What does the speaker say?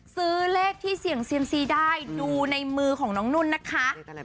ซื้อเลขที่เสี่ยงเซียมซีได้ดูในมือของน้องนุ่นนะคะ